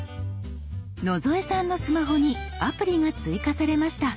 野添さんのスマホにアプリが追加されました。